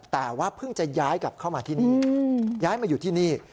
แต่ว่าเพิ่งจะย้ายกลับเข้ามาที่นี่ย้ายมาอยู่ที่นี่